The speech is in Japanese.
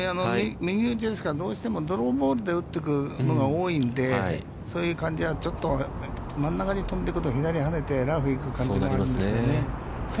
右打ちですから、どうしてもドローボールで打ってくるのが多いので、そういう感じはちょっと、真ん中に飛んでくると、左にはねて、ラフに行く感じがあるんですよね。